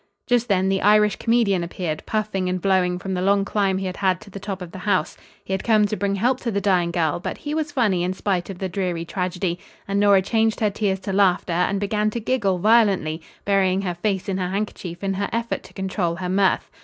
Just then the Irish comedian appeared, puffing and blowing from the long climb he had had to the top of the house. He had come to bring help to the dying girl, but he was funny in spite of the dreary tragedy, and Nora changed her tears to laughter and began to giggle violently, burying her face in her handkerchief in her effort to control her mirth.